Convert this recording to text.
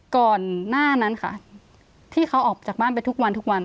ก่อนหน้านั้นค่ะที่เขาออกจากบ้านไปทุกวันทุกวัน